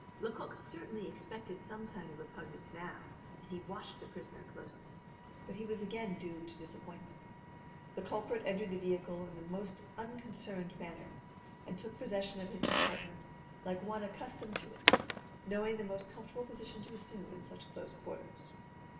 Lecoq certainly expected some sign of repugnance now, and he watched the prisoner closely. But he was again doomed to disappointment. The culprit entered the vehicle in the most unconcerned manner, and took possession of his compartment like one accustomed to it, knowing the most comfortable position to assume in such close quarters.